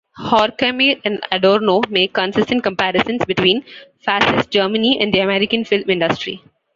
Horkheimer and Adorno make consistent comparisons between Fascist Germany and the American film industry.